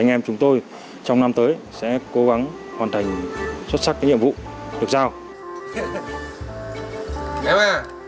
em cũng mong các anh sẽ giúp đỡ chồng em